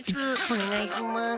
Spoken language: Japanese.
おねがいします。